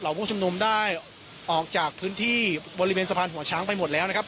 ผู้ชุมนุมได้ออกจากพื้นที่บริเวณสะพานหัวช้างไปหมดแล้วนะครับ